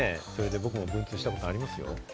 僕も文通したことありますよ。